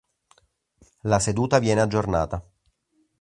La seduta viene aggiornata.